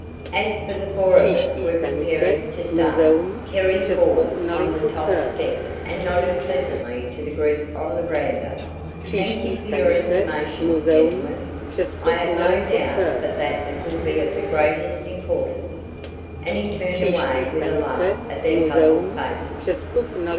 As the four of us were preparing to start, Terry paused on the top step and nodded pleasantly to the group on the veranda. "Thank you for your information, gentlemen. I have no doubt but that it will be of the greatest importance," and he turned away with a laugh at their puzzled faces.